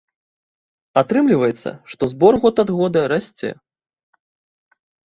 Атрымліваецца, што збор год ад года расце.